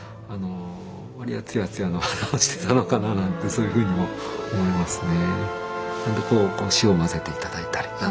そういうふうにも思いますね。